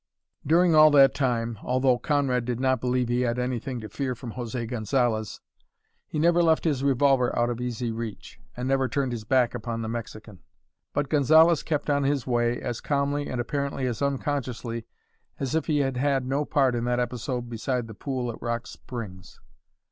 During all that time, although Conrad did not believe he had anything to fear from José Gonzalez, he never left his revolver out of easy reach, and never turned his back upon the Mexican. But Gonzalez kept on his way as calmly and apparently as unconsciously as if he had had no part in that episode beside the pool at Rock Springs.